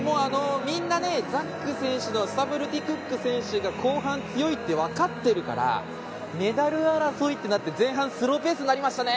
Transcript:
みんなザック選手スタブルティ・クック選手が後半、強いと分かっているからメダル争い、前半スローペースになりましたね。